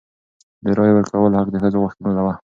د رایې ورکولو حق د ښځو غوښتنه وه.